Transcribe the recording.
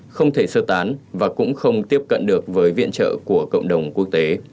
không thể sơ tán và cũng không tiếp cận được với viện trợ của cộng đồng quốc tế